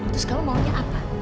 terus kamu maunya apa